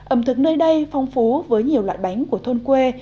ẩm thực nơi đây phong phú với nhiều loại bánh của thôn quê